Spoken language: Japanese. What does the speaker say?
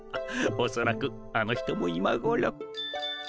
おそらくあの人もいまごろ。